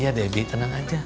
iya debbie tenang aja